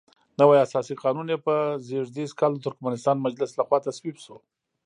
نوی اساسي قانون یې په زېږدیز کال د ترکمنستان مجلس لخوا تصویب شو.